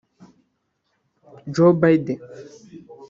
Joe Budden